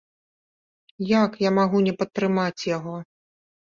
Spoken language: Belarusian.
Як я магу не падтрымаць яго?